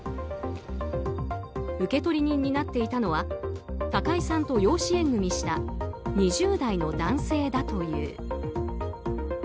受取人になっていたのは高井さんと養子縁組した２０代の男性だという。